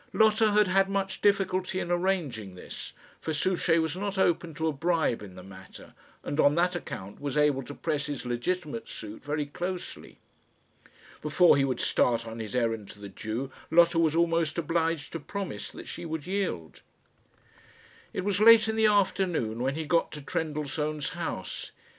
Lotta had had much difficulty in arranging this; for Souchey was not open to a bribe in the matter, and on that account was able to press his legitimate suit very closely. Before he would start on his errand to the Jew, Lotta was almost obliged to promise that she would yield. It was late in the afternoon when he got to Trendellsohn's house.